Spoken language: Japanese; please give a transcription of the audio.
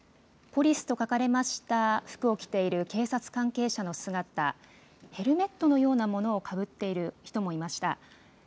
ポリスと書かれました服を着ている警察関係者の姿、ヘルメットのようなものをかぶっている人もいました。